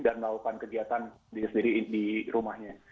dan melakukan kegiatan sendiri di rumahnya